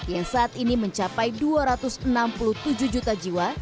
yang saat ini mencapai dua ratus enam puluh tujuh juta jiwa